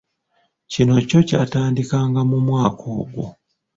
Kino kyo kyatandika nga mu mwaka ogwo.